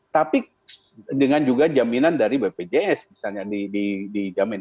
tapi dengan juga jaminan dari bpjs misalnya dijamin